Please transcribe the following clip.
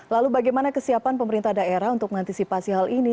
lalu bagaimana kesiapan pemerintah daerah untuk mengantisipasi hal ini